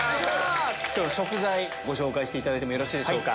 今日の食材ご紹介していただいてよろしいでしょうか。